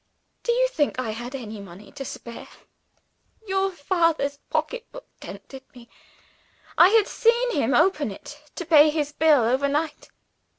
"Do you think I had any money to spare? Your father's pocketbook tempted me. I had seen him open it, to pay his bill over night.